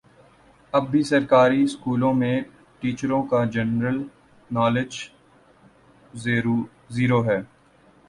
اب بھی سرکاری سکولوں میں ٹیچروں کا جنرل نالج زیرو ہے